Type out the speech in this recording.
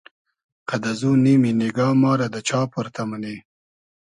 قئد ازو نیمی نیگا ما رۂ دۂ چا پۉرتۂ مونی